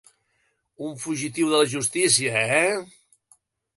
Un fugitiu de la justícia, eh?